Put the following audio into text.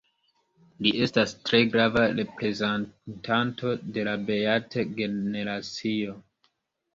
Li estas tre grava reprezentanto de la Beat-generacio.